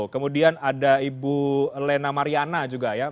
kemudian ada ibu lena mariana juga ya